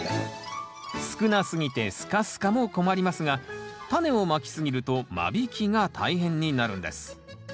少なすぎてスカスカも困りますがタネをまき過ぎると間引きが大変になるんです。